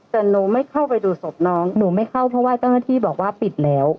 แต่หนูไม่เข้าไปดูศพน้องหนูไม่เข้าเพราะว่าเจ้าหน้าที่บอกว่าปิดแล้ว